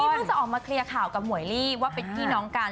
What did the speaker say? เพิ่งจะออกมาเคลียร์ข่าวกับหวยลี่ว่าเป็นพี่น้องกัน